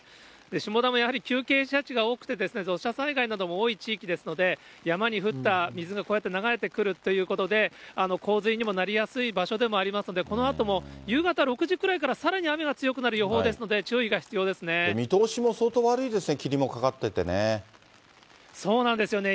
下田もやはり急傾斜地が多くて、土砂災害などの多い地域ですので、山に降った水がこうやって流れてくるということで、洪水にもなりやすい場所でもありますので、このあとも夕方６時くらいからさらに雨が強くなる予報ですので、見通しも相当悪いですね、そうなんですよね。